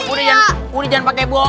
udah jangan pake bohong